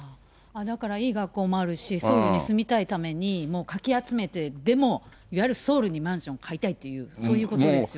だからいい学校もあるし、ソウルに住みたいために、もうかき集めてでも、やはりソウルにマンションを買いたいという、そういうことですよ